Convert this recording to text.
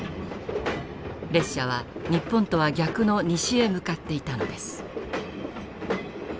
列車は日本とは逆の西へ向かっていたのです。